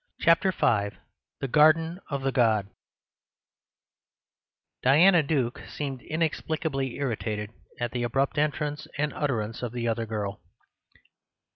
Chapter IV The Garden of the God Diana Duke seemed inexplicably irritated at the abrupt entrance and utterance of the other girl.